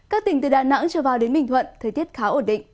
các tỉnh từ đà nẵng trở vào đến bình thuận thời tiết khá ổn định